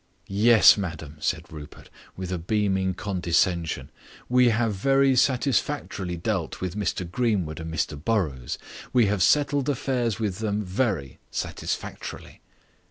"Yes, madam," said Rupert, with a beaming condescension. "We have very satisfactorily dealt with Mr Greenwood and Mr Burrows. We have settled affairs with them very satisfactorily."